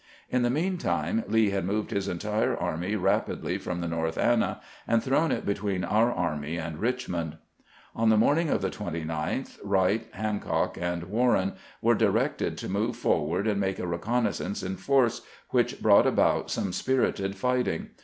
In the mean time Lee had moved his entire army rapidly from the North Anna, and thrown it between our army and Richmond. GBANT INTEKVIEWS A PEISONEK 157 On the morning of the 29tli, Wriglit, Hancock, and Warren were directed to move forward and make a reconnaissance in force, wMcli brought about some spirited fighting.